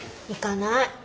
行かない。